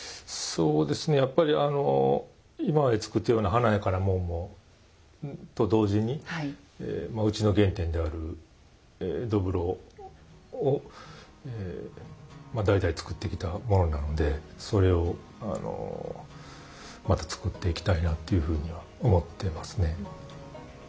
そうですねやっぱり今まで作ったような華やかなもんと同時にうちの原点である土風炉を代々作ってきたものなのでそれをまた作っていきたいなっていうふうには思ってますね。